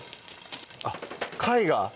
あっ貝が？